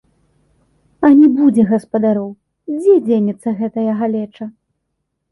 А не будзе гаспадароў, дзе дзенецца гэтая галеча?